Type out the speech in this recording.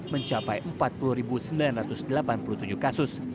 mencapai empat puluh sembilan ratus delapan puluh tujuh kasus